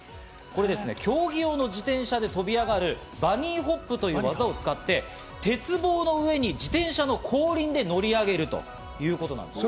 これですね、競技用の自転車で飛び上がる、バニーホップという技を使って、鉄棒の上に自転車の後輪で乗り上げるということなんです。